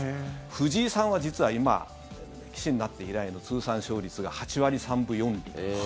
藤井さんは、実は今棋士になって以来の通算勝率が８割３分４厘。